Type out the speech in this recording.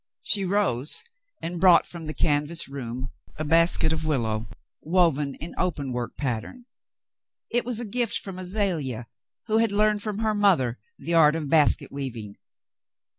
'* She rose and brought from the canvas room a basket of 244 Back to the Mountains 245 willow, woven in open work pattern. It was a gift from Azalea, who had learned from her mother the art of bas ket weaving.